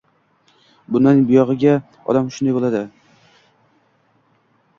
bundan buyog'iga ham shunday bo'ladi.